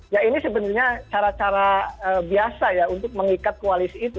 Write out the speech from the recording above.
dan ini sebenarnya cara cara biasa ya untuk mengikat koalisi itu